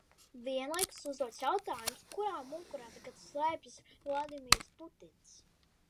Vienlaikus uzdots jautājums, kurā bunkurā tagad slēpjas Vladimirs Putins.